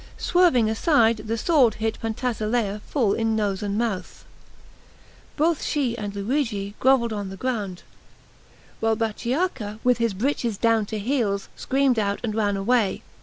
Swerving aside, the sword hit Pantasilea full in nose and mouth. Both she and Luigi grovelled on the ground, while Bachiacca, with his breeches down to heels, screamed out and ran away.